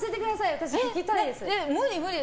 私、聴きたいです。